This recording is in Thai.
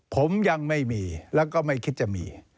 ผมยังไม่มีแล้วก็ไม่คิดจะมี